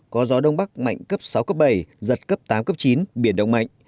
có gió đông bắc mạnh cấp sáu cấp bảy giật cấp tám cấp chín biển động mạnh